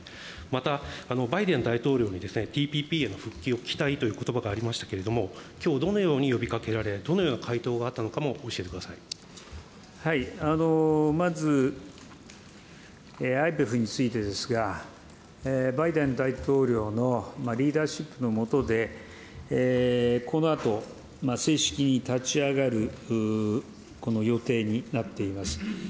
また、バイデン大統領にＴＰＰへの復帰を期待ということばがありましたけれども、きょう、どのように呼びかけられ、どのような回答があまず、ＩＰＥＦについてですが、バイデン大統領のリーダーシップの下で、このあと正式に立ち上がる予定になっています。